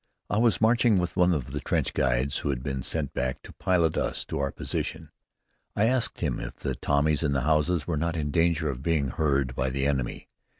I was marching with one of the trench guides who had been sent back to pilot us to our position. I asked him if the Tommies in the houses were not in danger of being heard by the enemy.